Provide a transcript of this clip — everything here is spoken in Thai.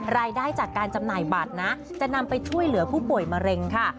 รายได้จากการจำหน่ายบัตรนะจะนำไปช่วยเหลือผู้ป่วยมะเร็งค่ะ